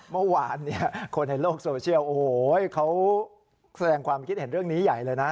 เมื่อวานเนี่ยคนในโลกโซเชียลโอ้โหเขาแสดงความคิดเห็นเรื่องนี้ใหญ่เลยนะ